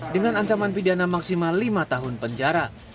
dengan ancaman pidana maksimal lima tahun penjara